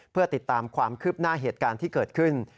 เพื่อติดตามความคืบหน้าเหตุการณ์ที่เกิดขึ้น